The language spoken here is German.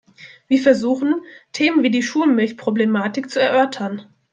Wir versuchen, Themen wie die Schulmilchproblematik zu erörtern.